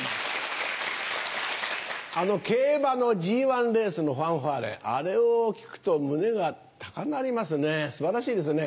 競馬のＧレースのファンファーレあれを聴くと胸が高鳴りますね素晴らしいですね。